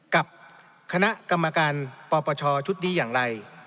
กับคณะกรรมการปปชชุดนี้อย่างไร